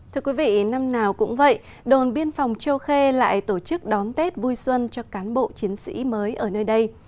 thưa quý vị năm nào cũng vậy đồn biên phòng châu khê lại tổ chức đón tết vui xuân cho cán bộ chiến sĩ mới ở nơi đây